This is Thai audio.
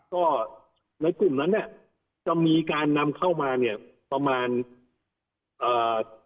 ก็ในกลุ่มนั้นเนี้ยจะมีการนำเข้ามาเนี่ยประมาณเอ่อ